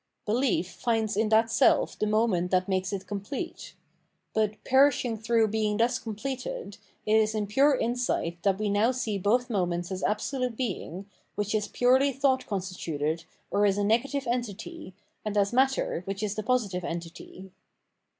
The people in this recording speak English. Belief jBnds in that self the moment that makes it complete; — ^but, perishing through being thus completed, it is in pure insight that we now see both moments as absolute Being, which is purely thought constituted or is a negative entity, and as matter, which is the positive entity.